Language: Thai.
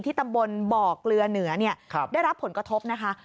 ตำบลบ่อเกลือเหนือได้รับผลกระทบนะคะ